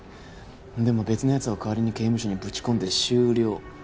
でも別の奴を代わりに刑務所にぶち込んで終了。